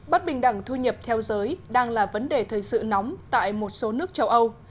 bất bình đẳng thu nhập theo giới đang là vấn đề thời sự nóng tại một số nước châu âu